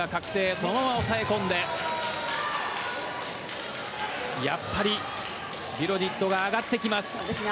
そのまま抑え込んでやっぱりビロディッドが上がってきます。